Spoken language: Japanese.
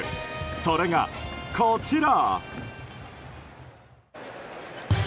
それが、こちら。